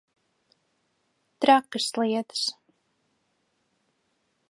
Trakas lietas.